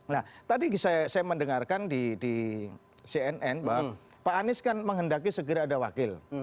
nah tadi saya mendengarkan di cnn bahwa pak anies kan menghendaki segera ada wakil